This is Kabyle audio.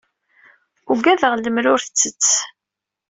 Ugadeɣ lemmer ur tettett.